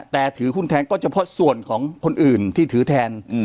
แต่ถือหุ้นแทนก็เฉพาะส่วนของคนอื่นที่ถือแทน